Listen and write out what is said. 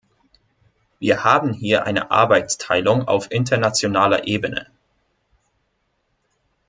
Wir haben hier eine Arbeitsteilung auf internationaler Ebene.